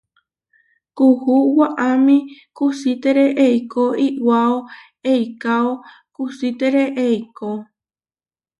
Kuú waʼámi kusítere eikó iʼwáo eikáo kusítere eikó.